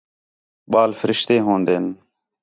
ٻال فرشتے ہون٘دین